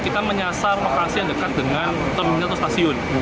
kita menyasar lokasi yang dekat dengan terminal atau stasiun